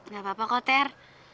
gak apa apa kok ter